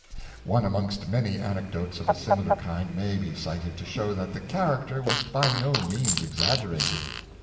One amongst many anecdotes of a similar kind may be cited to show that the character was by no means exaggerated.